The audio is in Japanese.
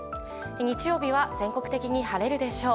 日曜日は全国的に晴れるでしょう。